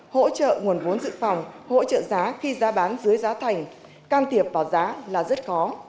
hỗ trợ nguồn vốn dự phòng hỗ trợ giá khi giá bán dưới giá thành can thiệp vào giá là rất khó